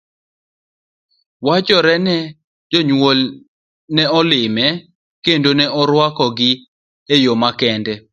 Wachore ni ne jonyuolne ne olime, kendo ne oruako gi eyo makende.